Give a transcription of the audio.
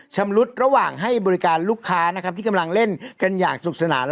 ชำรุดระหว่างให้บริการลูกค้านะครับที่กำลังเล่นกันอย่างสุขสนาน